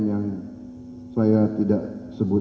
yang saya tidak sebut